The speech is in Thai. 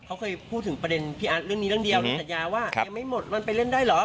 เขาเคยพูดถึงประเด็นพี่อาร์ทเรื่องนี้เรื่องเดียวเรื่องสัญญาว่ายังไม่หมดมันไปเล่นได้เหรอ